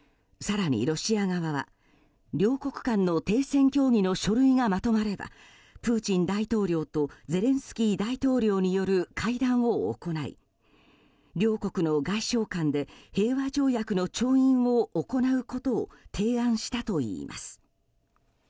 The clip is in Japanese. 更に、ロシア側は両国間の停戦協議の書類がまとまればプーチン大統領とゼレンスキー大統領による会談を行い両国の外相間で平和条約の調印を行うことを提案したといいます。